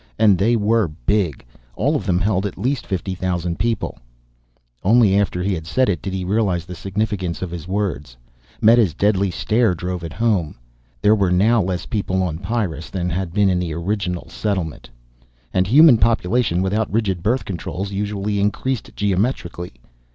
And they were big. All of them held at least fifty thousand people ..." Only after he said it, did he realize the significance of his words. Meta's deadly stare drove it home. There were now less people on Pyrrus than had been in the original settlement. And human population, without rigid birth controls, usually increased geometrically.